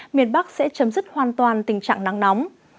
miền bắc sẽ chấm dứt hoàn toàn tình trạng nắng nóng